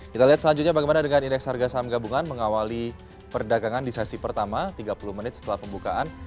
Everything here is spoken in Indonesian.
kita lihat selanjutnya bagaimana dengan indeks harga saham gabungan mengawali perdagangan di sesi pertama tiga puluh menit setelah pembukaan